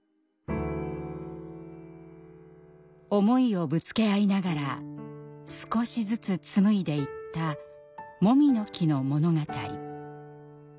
思いをぶつけ合いながら少しずつ紡いでいった「もみの木の物語」。